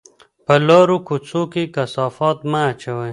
په لارو کوڅو کې کثافات مه اچوئ.